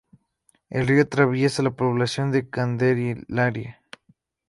El río atraviesa la población de Candelaria.